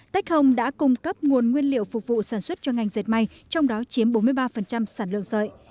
tech home đã cung cấp nguồn nguyên liệu phục vụ sản xuất cho ngành dệt may trong đó chiếm bốn mươi ba sản lượng sợi